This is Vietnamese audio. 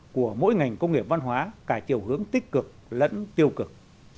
của mỗi ngành công nghiệp văn hóa cả chiều hướng tích cực lẫn tiêu cực